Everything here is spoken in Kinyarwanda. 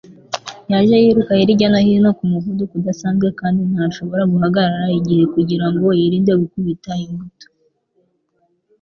Yaje yiruka hirya no hino ku muvuduko udasanzwe kandi ntashobora guhagarara igihe kugirango yirinde gukubita imbuto